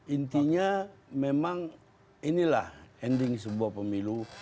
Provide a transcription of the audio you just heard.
intinya memang inilah ending sebuah pemilu